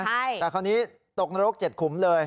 ใช่แต่คราวนี้ตกนรก๗ขุมเลย